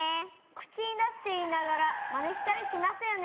口に出すといいながらマネしたりしますよね。